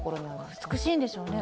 美しいんでしょうね。